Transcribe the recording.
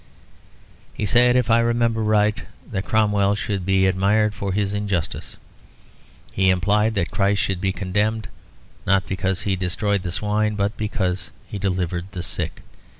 He said, if I remember right, that Cromwell should be admired for his injustice. He implied that Christ should be condemned, not because he destroyed the swine, but because he delivered the sick.